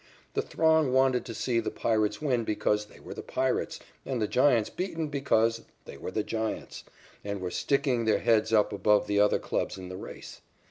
The throng wanted to see the Pirates win because they were the Pirates, and the Giants beaten because they were the Giants, and were sticking their heads up above the other clubs in the race.